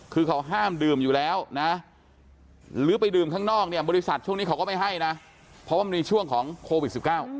คือเขาห้ามดื่มอยู่แล้วนะหรือไปดื่มข้างนอกเนี่ยบริษัทช่วงนี้เขาก็ไม่ให้นะเพราะว่ามันมีช่วงของโควิด๑๙